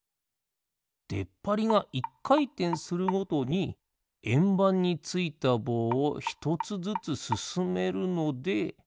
でっぱりが１かいてんするごとにえんばんについたぼうをひとつずつすすめるので。